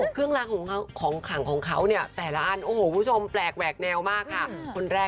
เครื่องล้างของขลังของเขาเนี่ยแต่ละอันโอ้โหคุณผู้ชมแปลกแหวกแนวมากค่ะคนแรก